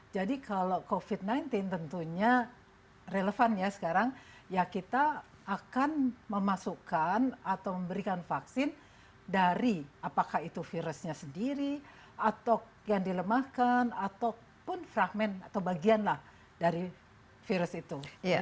jadi kalau covid sembilan belas tentunya relevan ya sekarang ya kita akan memasukkan atau memberikan vaksin dari apakah itu virusnya sendiri atau yang dilemahkan ataupun fragment atau bagian dari virus itu